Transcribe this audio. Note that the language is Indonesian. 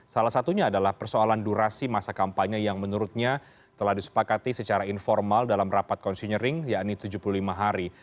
salah satunya adalah persoalan durasi masa kampanye yang menurutnya telah disepakati secara informal dalam rapat konsinyering yakni tujuh puluh lima hari